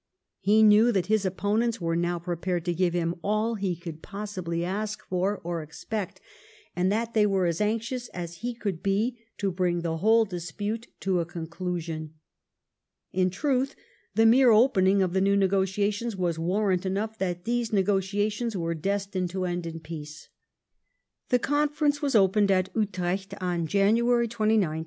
He knew that his opponents were now prepared to give him all he could possibly ask for or expect, and that they were as anxious as he could be to bring the whole dispute to a conclusion. In truth, the mere opening of the new negotiations was warrant enough that these negotiations were destined to end in peace. The Conference was opened at Utrecht on Janu ary 29, 1712.